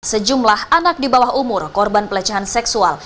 sejumlah anak di bawah umur korban pelecehan seksual